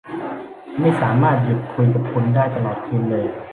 ไม่สามารถหยุดคุยกับคุณได้ตลอดคืนเลย